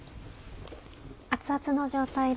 熱々の状態で。